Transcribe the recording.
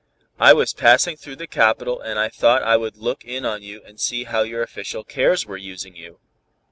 "I was passing through the capital and I thought I would look in on you and see how your official cares were using you."